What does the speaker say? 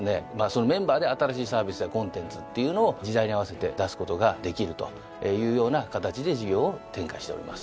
そのメンバーで新しいサービスやコンテンツっていうのを時代に合わせて出すことができるというような形で事業を展開しております。